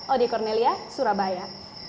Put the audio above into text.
odi cornelia surabaya